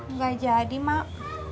nggak jadi mak